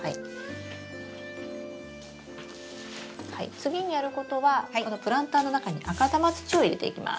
次にやることはこのプランターの中に赤玉土を入れていきます。